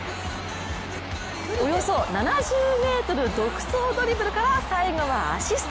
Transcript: およそ７０ｍ独走ドリブルから最後はアシスト。